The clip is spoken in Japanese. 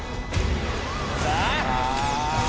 どうだ？